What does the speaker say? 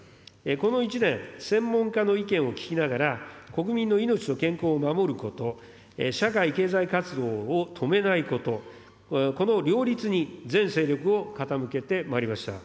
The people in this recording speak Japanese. この一年、専門家の意見を聞きながら、国民の命と健康を守ること、社会経済活動を止めないこと、この両立に全精力を傾けてまいりました。